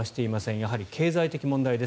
やはり経済的問題です。